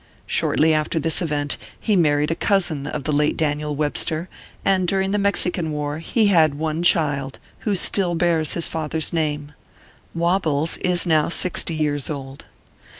Shortly after this event, he married a cousin of the late Daniel Webster, and during the Mexican War he had one child, who still bears his father s name. Wobbles is now sixty years old.